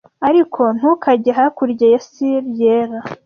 Ariko ntukajye hakurya ya sill yera ----"